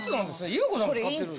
ゆう子さんも使ってる。